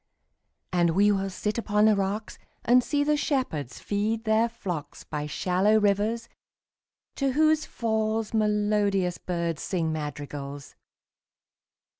And we will sit upon the rocks, 5 And see the shepherds feed their flocks By shallow rivers, to whose falls Melodious birds sing madrigals.